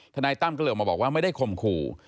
นายตั้มก็เลยออกมาบอกว่าไม่ได้คมขู่